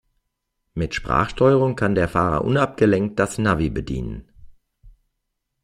Mit Sprachsteuerung kann der Fahrer unabgelenkt das Navi bedienen.